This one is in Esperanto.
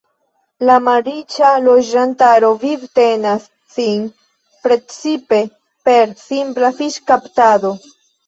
La malriĉa loĝantaro vivtenas sin precipe per simpla fiŝkaptado.